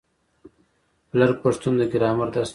لر پښتون د ګرامر درس نه لري.